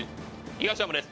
東山です。